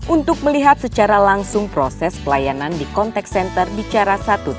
untuk melihat secara langsung proses pelayanan di contact center bicara satu ratus tiga puluh